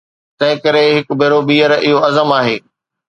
تنهنڪري هڪ ڀيرو ٻيهر اهو عزم آهي